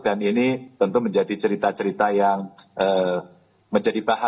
dan ini tentu menjadi cerita cerita yang menjadi bahasa